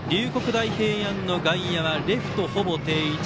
大平安の外野はレフトほぼ定位置。